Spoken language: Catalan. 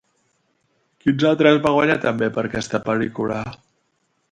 Quins altres va guanyar també per aquesta pel·lícula?